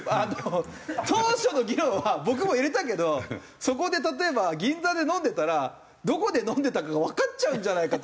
当初の議論は僕も入れたけどそこで例えば銀座で飲んでたらどこで飲んでたかがわかっちゃうんじゃないかと。